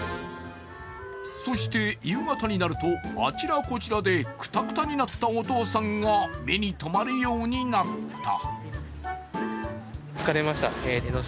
そして夕方になると、あちらこちらでくたくたになったお父さんが目にとまるようになった。